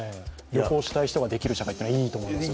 旅行したい人ができる社会というのはいいと思います。